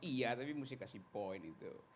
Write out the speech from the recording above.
iya tapi mesti kasih poin itu